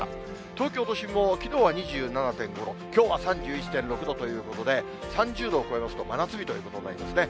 東京都心も、きのうは２７．５度、きょうは３１．６度ということで、３０度を超えますと、真夏日ということになりますね。